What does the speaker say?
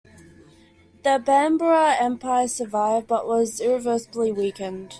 The Bambara Empire survived but was irreversibly weakened.